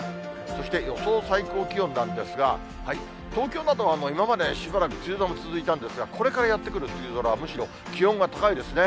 そして予想最高気温なんですが、東京などは今までしばらく梅雨寒続いたんですが、これからやって来る梅雨空は、むしろ気温が高いですね。